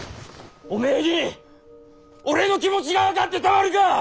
おめぇに俺の気持ちが分かってたまるか！